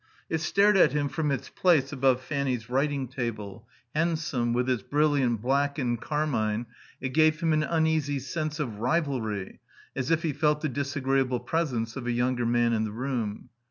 It stared at him from its place above Fanny's writing table; handsome, with its brilliant black and carmine, it gave him an uneasy sense of rivalry, as if he felt the disagreeable presence of a younger man in the room.